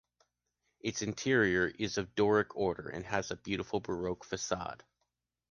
Its interior is of Doric order and has a beautiful baroque facade.